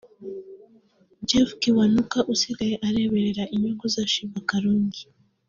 Jeff Kiwanuka usigaye areberera inyungu za Sheebah Karungi